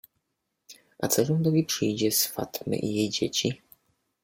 - A co rządowi przyjdzie z Fatmy i jej dzieci?